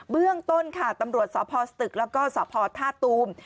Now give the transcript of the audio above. เรื่องต้นค่ะตำรวจสพสตึกแล้วก็สพท่าตูม